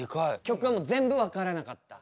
曲がもう全部わからなかった。